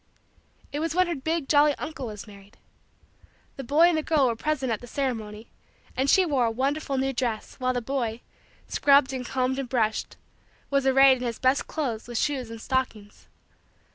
It was when her big, jolly, uncle was married. The boy and the girl were present at the ceremony and she wore a wonderful new dress while the boy, scrubbed and combed and brushed, was arrayed in his best clothes with shoes and stockings.